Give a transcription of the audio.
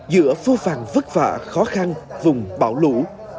giữa vô vàn vất vả khó khăn vùng bão lũ